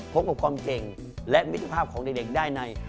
พบกับความเก่งและมิตรภาพของเด็กได้ใน